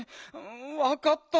わかった。